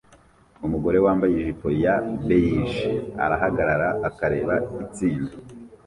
Umugore wambaye ijipo ya beige arahagarara akareba itsinda